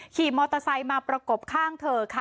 ขี่มอเตอร์ไซค์มาประกบข้างเธอค่ะ